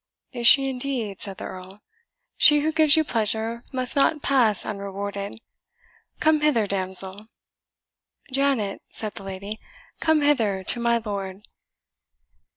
"Is she indeed?" said the Earl. "She who gives you pleasure must not pass unrewarded. Come hither, damsel." "Janet," said the lady, "come hither to my lord."